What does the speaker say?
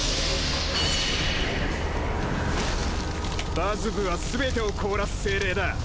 バズヴはすべてを凍らす精霊だ。